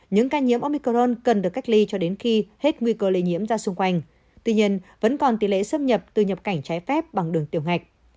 những ca nhiễm omicron cần được cách ly cho đến khi hết nguy cơ lây nhiễm ra xung quanh tuy nhiên vẫn còn tỷ lệ xâm nhập từ nhập cảnh trái phép bằng đường tiểu ngạch